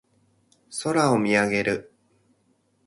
空を見上げる。